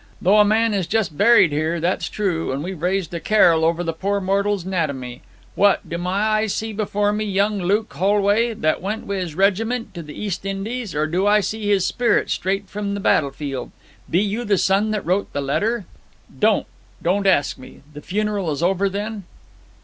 Though a man is just buried here, that's true; and we've raised a carrel over the poor mortal's natomy. What do my eyes see before me young Luke Holway, that went wi' his regiment to the East Indies, or do I see his spirit straight from the battlefield? Be you the son that wrote the letter ' 'Don't don't ask me. The funeral is over, then?'